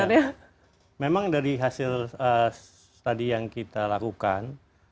iya memang dari hasil tadi yang kita lakukan